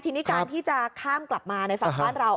ทีนี้การที่จะข้ามกลับมาในฝั่งบ้านเรา